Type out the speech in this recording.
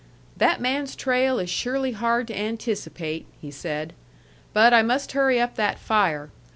"That man's trail is surely hard to anticipate," he said. "But I must hurry up that fire.